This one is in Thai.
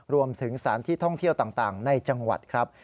รวมถึงสถานที่ท่องเที่ยวต่างในจังหวัดครับ